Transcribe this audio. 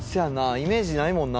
イメージないもんな。